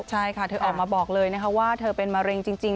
ใช่ค่ะเธอออกมาบอกเลยนะคะว่าเธอเป็นมะเร็งจริง